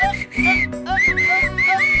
bang pergi datang ke kantong neng ke oil